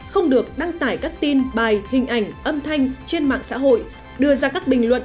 không được đăng tải các tin bài hình ảnh âm thanh trên mạng xã hội đưa ra các bình luận